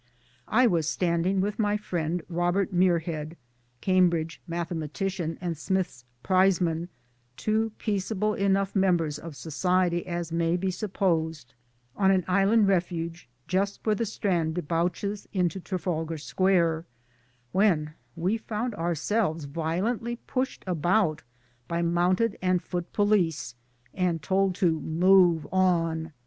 I was standing with my friend Robert Muirhead, Cambridge mathematician and Smith's Prizeman, two peaceable enough members of society as may be supposed on an island refuge just where the Strand debouches into Trafalgar Square, when we found ourselves violently pushed about by mounted and foot police and told to * move on.'